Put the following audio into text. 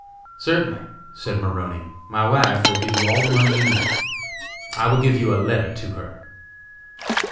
"Certainly," said Maroney, "My wife will give you all the money you need. I will give you a letter to her."